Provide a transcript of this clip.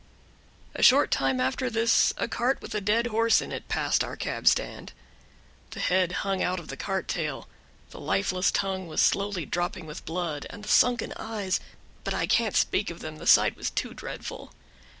A short time after this a cart with a dead horse in it passed our cab stand. The head hung out of the cart tail, the lifeless tongue was slowly dropping with blood; and the sunken eyes! but I can't speak of them, the sight was too dreadful.